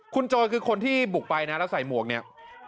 คุณโจรคือคนที่บุกไปนะแล้วใส่หมวกเนี่ย